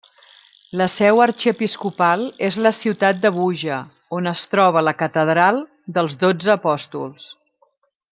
La seu arxiepiscopal és la ciutat d'Abuja, on es troba la catedral dels Dotze Apòstols.